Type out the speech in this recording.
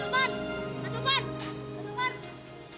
tuan tuhan tuan tuhan tuan tuhan